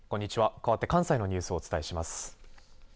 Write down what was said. かわって関西のニュースをお伝えします。